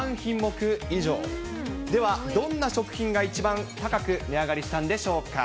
どんな食品が一番高く値上がりしたんでしょうか。